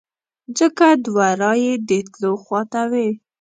ځکه دوه رایې د تلو خواته وې.